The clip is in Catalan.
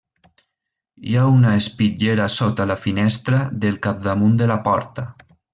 Hi ha una espitllera sota la finestra del capdamunt de la porta.